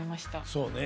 そうね。